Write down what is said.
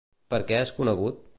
Per què és conegut?